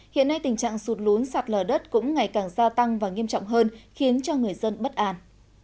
hiện nay tình trạng sụt lún sạt lở đất cũng ngày càng gia tăng và nghiêm trọng hơn khiến cho người dân bất an